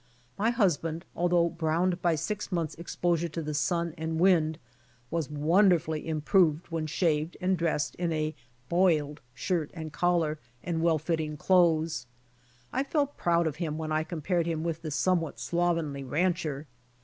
My husband, although browned by six mionths' exposure to the sun and wind, was wonderfully improved when shaved and dressed in a "biled" shirt and collar and well fitting clothes. I felt proud of him when I compared him with the somewhat slovenly rancher.